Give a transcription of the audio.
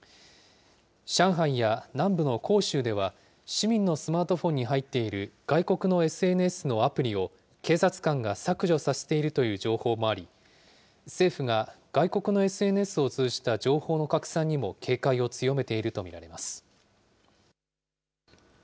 上海や南部の広州では、市民のスマートフォンに入っている外国のＳＮＳのアプリを、警察官が削除させているという情報もあり、政府が外国のＳＮＳを通じた情報の拡散にも警戒を強めていると見られます。